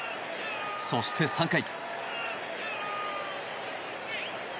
そして、３回。